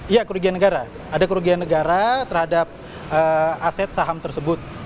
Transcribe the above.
iya kerugian negara ada kerugian negara terhadap aset saham tersebut